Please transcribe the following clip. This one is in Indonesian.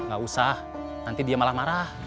gak usah nanti dia malah marah